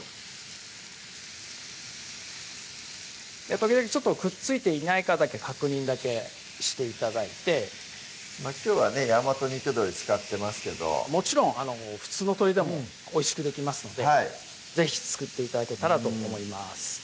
時々くっついていないかだけ確認だけして頂いてきょうはね大和肉鶏使ってますけどもちろん普通の鶏でもおいしくできますので是非作って頂けたらと思います